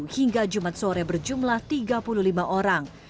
hingga jumat sore berjumlah tiga puluh lima orang